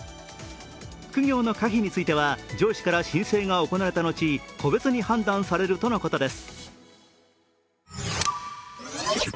副業の可否については上司から申請が行われた後個別に判断されるとのことです。